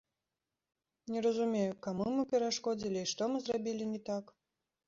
Не разумею, каму мы перашкодзілі і што мы зрабілі не так.